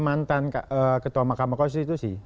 mantan ketua mahkamah konstitusi